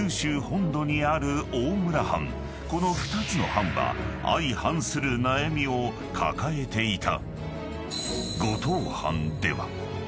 ［この２つの藩は相反する悩みを抱えていた］